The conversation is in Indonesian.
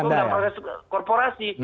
proses hukum dan proses korporasi